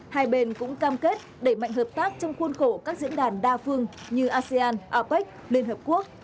hai bên cũng cam kết đẩy mạnh hợp tác trong khuôn khổ các diễn đàn đa phương như asean apec liên hợp quốc